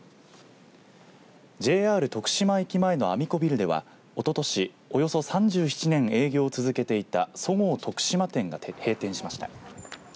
ＪＲ徳島駅前のアミコビルではおととし、およそ３７年営業を続けていたそごう徳島店が閉店しました。